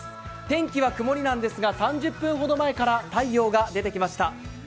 天気は曇りなんですが３０分ほど前から太陽が出てきました。